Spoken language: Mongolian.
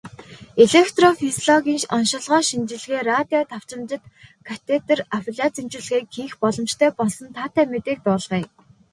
Электрофизиологийн оношилгоо, шинжилгээ, радио давтамжит катетр аблаци эмчилгээг хийх боломжтой болсон таатай мэдээг дуулгая.